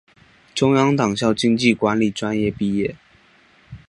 中央党校经济管理专业毕业。